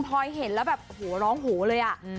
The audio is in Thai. พอยเห็นแล้วแบบโอ้โหร้องโหเลยอ่ะ